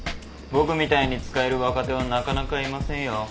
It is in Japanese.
僕みたいに使える若手はなかなかいませんよ。